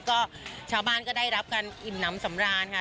ก็ชาวบ้านก็ได้รับการอิ่มน้ำสำราญค่ะ